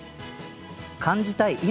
感じたい